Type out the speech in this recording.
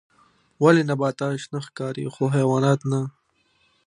ولې نباتات شنه ښکاري خو حیوانات نه